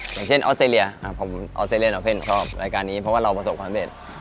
อย่างเช่นออสเตรเลียออสเตรเลียออเพ่นชอบรายการนี้เพราะว่าเราประสบความเร็จ